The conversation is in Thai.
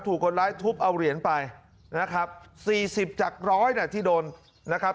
ถูกคนร้ายทุบเอาเหรียญไปนะครับสี่สิบจากร้อยน่ะที่โดนนะครับ